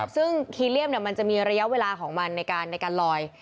ซึ่งคีเรียมมันจะมีระยะเวลาของมันในการลอย